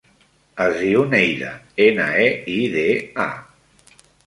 Es diu Neida: ena, e, i, de, a.